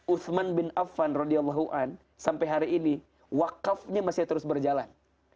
uthman bin affan sampai hari ini wakafnya masih terus berjalan